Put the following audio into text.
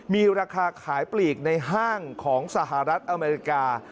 มีราคาขายปลีกในห้างของสหรัฐอเมริกา